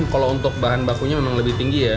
kalau untuk bahan bakunya memang lebih tinggi ya